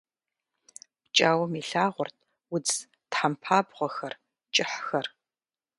Пкӏауэм илъагъурт удз тхьэмпабгъуэхэр, кӏыхьхэр.